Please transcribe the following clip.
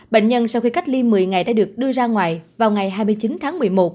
bệnh nhân sau khi cách ly một mươi ngày đã được đưa ra ngoài vào ngày hai mươi chín tháng một mươi một